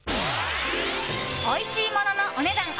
おいしいもののお値段